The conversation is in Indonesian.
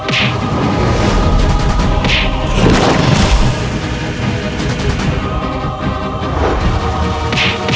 kau akan menang